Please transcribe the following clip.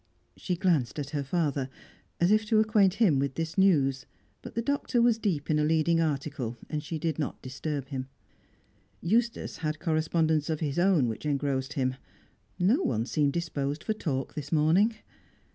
She glanced at her father, as if to acquaint him with this news; but the Doctor was deep in a leading article, and she did not disturb him. Eustace had correspondence of his own which engrossed him. No one seemed disposed for talk this morning.